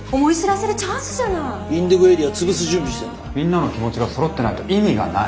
みんなの気持ちがそろってないと意味がない。